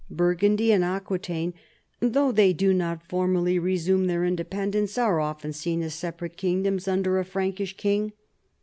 Burgundy and Aquitaine, though they do not formally resume their independence, are of ten seen as separate kingdoms under a Frankish king.